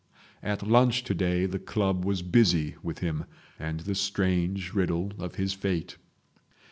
At lunch to day the club was busy with him and the strange riddle of his fate.